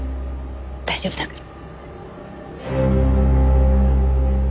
大丈夫だから。